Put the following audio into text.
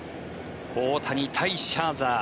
大谷対シャーザー。